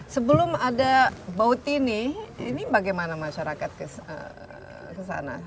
sebelum ada bot ini ini bagaimana masyarakat kesana